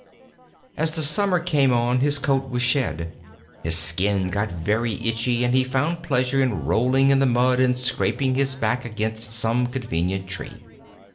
As the summer came on, his coat was shed. His skin got very itchy, and he found pleasure in rolling in the mud and scraping his back against some convenient tree.